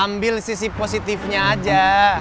ambil sisi positifnya aja